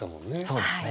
そうですね。